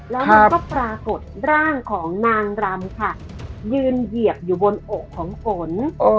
แล้วมันก็ปรากฏร่างของนางรำค่ะยืนเหยียบอยู่บนอกของฝน